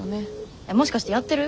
えっもしかしてやってる？